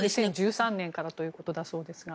２０１３年からだということだそうですが。